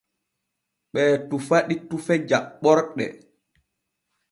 Ɓee tufa ɗi tufe jaɓɓorɗe.